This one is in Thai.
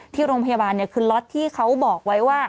ที่โรงพยาบาลคือล็อตที่เขาบอกไว้ว่า